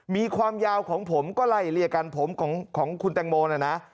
มีความยาวของผมก็ไล่เลี่ยกันผมของคุณแตงโมนะนะ